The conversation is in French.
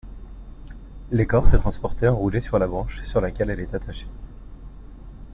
L'écorce est transportée enroulée sur la branche sur laquelle elle est attachée.